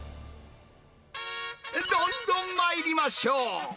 どんどんまいりましょう。